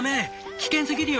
危険すぎるよ！」